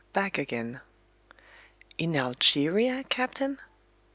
BACK AGAIN "In Algeria, captain?"